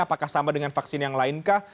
apakah sama dengan vaksin yang lain kah